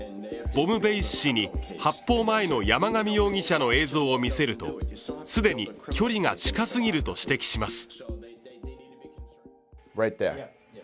ボムベイス氏に発砲前の山上容疑者の映像を見せると、既に距離が近すぎると指摘します。